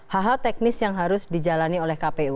hal hal teknis yang harus dijalani oleh kpu